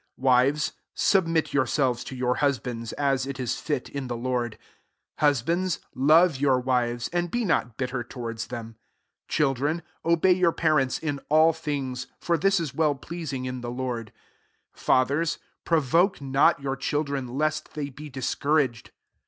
18 Wives, submit yoors^ves to your husbands, as it is fit, in the Lord. 19 Husbands, love your wives, and be not bitter towards them. 20 Children, obey your parents in all things; for this is well pleasing in the Lord* 21 Fathers, provoke not your children, lest they be 4Us* couraged.